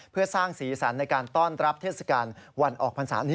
เพื่อสร้างศีรษรรณในการต้อนรับเทศกาลวันออกพันธ์ศาล